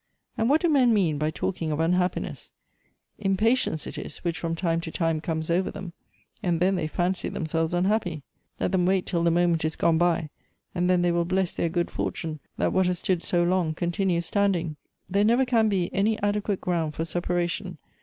And what do men mean by talking of unhappiness ? Impatience it is which from time to time comes over them, and then they fancy themselves unhappy. Let them wait till the moment is gone by, and then they will bless their good fortune that what has stood so long continues standing. There never can be any adequate ground for separation.